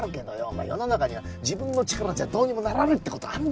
お前世の中には自分の力じゃどうにもならねえって事があるんだよ。